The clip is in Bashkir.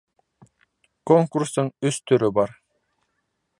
Конкурстың өс төрө бар.